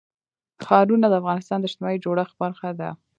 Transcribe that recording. ښارونه د افغانستان د اجتماعي جوړښت برخه ده.